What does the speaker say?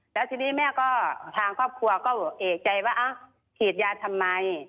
แล้วทีนี้แม่ก็ทางครอบครัวก็เอกใจว่าฉีดยาทำไม